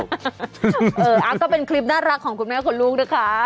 ก็เป็นคลิปน่ารักของคุณแม่คุณลูกนะคะ